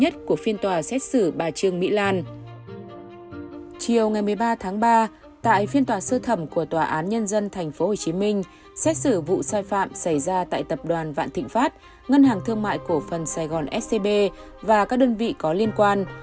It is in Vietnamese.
ba tháng ba tại phiên tòa sư thẩm của tòa án nhân dân tp hcm xét xử vụ sai phạm xảy ra tại tập đoàn vạn thịnh pháp ngân hàng thương mại cổ phần sài gòn scb và các đơn vị có liên quan